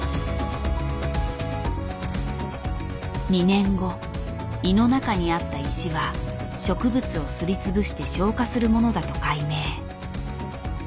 ２年後胃の中にあった石は植物をすり潰して消化するものだと解明。